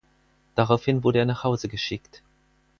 Daraufhin wurde er nach Hause geschickt.